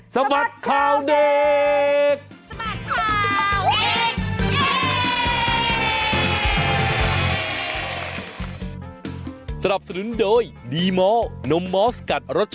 สมัตค่าวเด็ก